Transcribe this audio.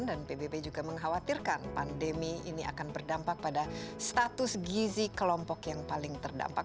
dan pbb juga mengkhawatirkan pandemi ini akan berdampak pada status gizi kelompok yang paling terdampak